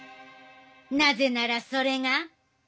なぜならそれが。